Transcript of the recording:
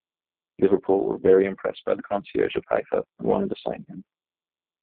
Liverpool were very impressed by the concierge of Haifa and wanted to sign him.